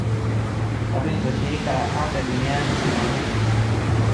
Takwimu za shirika la afya duniani zinaonyesha